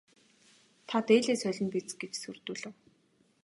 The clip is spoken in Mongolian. Та дээлээ солино биз гэж сүрдүүлэв.